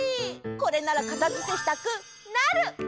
これならかたづけしたくなる！